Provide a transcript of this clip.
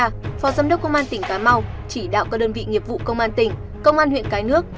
phó giám đốc công an tỉnh cà mau chỉ đạo các đơn vị nghiệp vụ công an tỉnh công an huyện cái nước